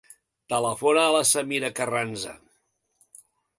Telefona a la Samira Carranza.